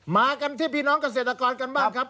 มากันที่พี่น้องเกษตรกรกันบ้างครับ